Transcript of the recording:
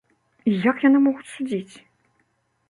І як яны могуць судзіць?